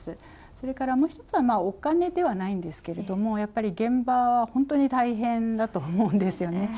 それからもう一つは、お金ではないんですけれども、やっぱり現場は本当に大変だと思うんですよね。